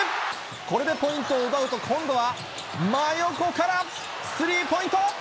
これでポイントを奪うと、今度は真横からスリーポイント。